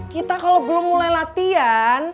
kita kalau belum mulai latihan